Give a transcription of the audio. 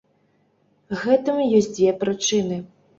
Гэтаму ёсць дзве прычыны.